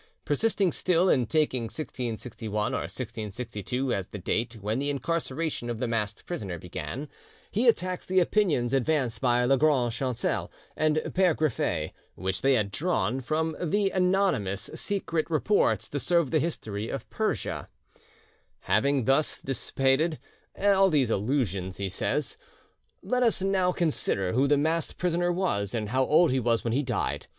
Persisting still in taking 1661 or 1662 as the date when the incarceration of the masked prisoner began, he attacks the opinions advanced by Lagrange Chancel and Pere Griffet, which they had drawn from the anonymous 'Memoires secrets pour servir a l'Histoire de Perse'. "Having thus dissipated all these illusions," he says, "let us now consider who the masked prisoner was, and how old he was when he died.